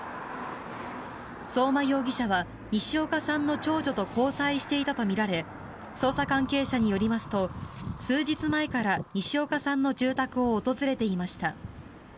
相馬容疑者は西岡さんの長女と交際していたとみられ捜査関係者によりますと数日前から西岡さんの住宅を訪れていました。